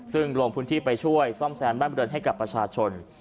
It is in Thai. ซึ่งลงพื้นที่ไปช่วยซ่อมแซมบ้านบริเวณให้กับประชาชน